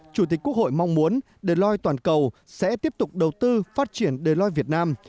chủ tịch quốc hội mong muốn deloitte toàn cầu sẽ tiếp tục đầu tư phát triển deloitte việt nam